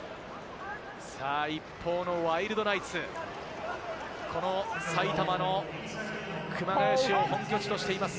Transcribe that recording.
一方のワイルドナイツ、この埼玉・熊谷市を本拠地としています。